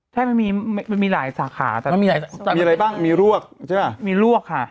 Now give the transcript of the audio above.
ใช่มันมีมันมีหลายสาขาตอนนั้นมีอะไรบ้างมีลวกใช่ป่ะมีลวกค่ะ